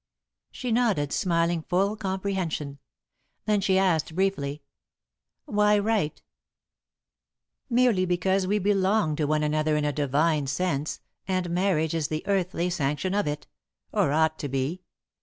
She nodded, smiling full comprehension. Then she asked, briefly: "Why write?" "Merely because we belong to one another in a divine sense, and marriage is the earthly sanction of it or ought to be.